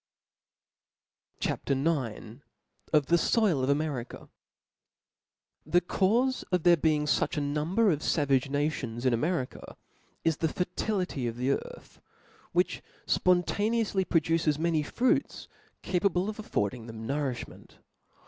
C H A P. IX. Of the Soil of America. nr^ H E caufe of there being fuch 4 number of fa * vage nations in America, is the fertility of the earth, which fpontaneoufly produces many frpits ca pable of affording them nourifhment.